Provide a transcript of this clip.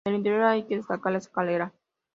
En el interior hay que destacar la escalera.